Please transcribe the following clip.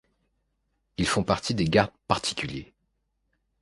Ils font partie des gardes particuliers.